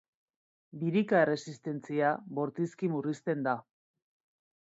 Birika erresistentzia bortizki murrizten da.